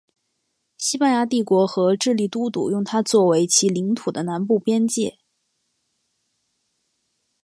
西班牙帝国和智利都督用它作为其领土的南部边界。